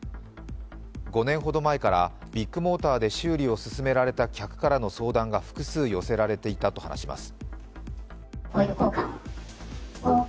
５年ほど前からビッグモーターで修理を勧められた客からの相談が複数、寄せられていたと話します。